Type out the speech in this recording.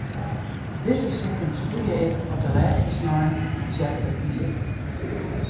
Dizze stikken spylje ik op de lêste snein fan it tsjerklik jier.